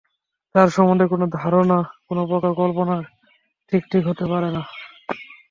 তাঁর সম্বন্ধে কোন ধারণা, কোন প্রকার কল্পনা ঠিক ঠিক হতে পারে না।